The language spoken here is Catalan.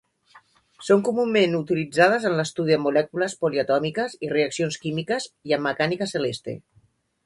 Són comunament utilitzades en l'estudi de molècules poliatòmiques i reaccions químiques, i en mecànica celeste.